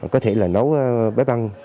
có thể là nấu bếp ăn